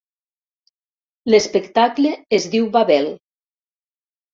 L'espectacle es diu Babel.